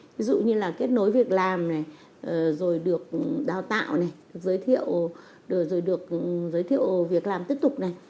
ví dụ như là kết nối việc làm này rồi được đào tạo này giới thiệu rồi được giới thiệu việc làm tiếp tục này